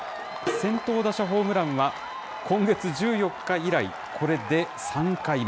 先頭打者ホームランは、今月１４日以来、これで３回目。